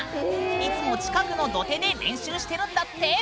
いつも近くの土手で練習してるんだって。